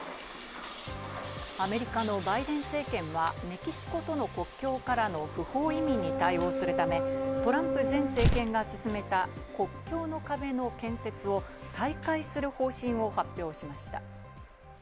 アメリカのバイデン政権は、メキシコとの国境からの不法移民に対応するため、トランプ前政権が進めた国境の壁の建設を再開する方針を発表しました。